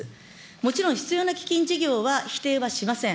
もちろん必要な基金事業は否定はしません。